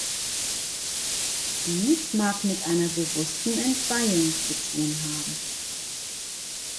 Dies mag mit einer bewussten Entweihung zu tun haben.